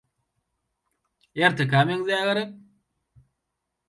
Ertekä meňzeýär gerek?